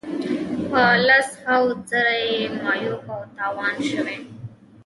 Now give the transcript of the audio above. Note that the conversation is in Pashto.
په لس هاوو زره یې معیوب او تاوان شوي.